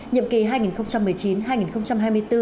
nhiệm kỳ hai nghìn một mươi chín hai nghìn hai mươi bốn